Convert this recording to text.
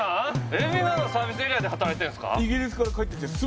海老名のサービスエリアで働いてるんですか？